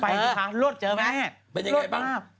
ไปดีค่ะรวดเจอไหม